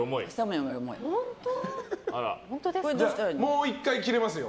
もう１回切れますよ。